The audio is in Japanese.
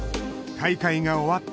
大会が終わった